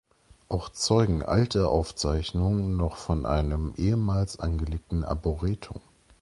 Auch zeugen alte Auszeichnungen noch von einem ehemals angelegten Arboretum.